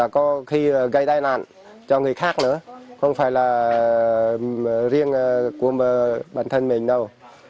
có khi gây tai nạn cho người khác nữa không phải là riêng của bản thân mình đâu